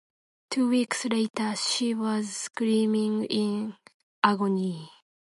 Two weeks later she was screaming in agony.